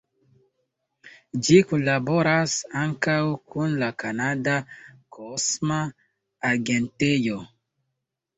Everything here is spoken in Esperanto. Ĝi kunlaboras ankaŭ kun la Kanada Kosma Agentejo.